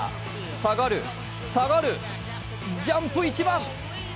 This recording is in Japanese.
下がる、下がる、ジャンプ一番。